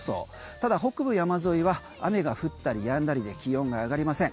ただ、北部山沿いは雨が降ったりやんだりで気温が上がりません。